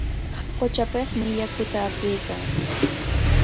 Qutrapikmi yakuta apaykan.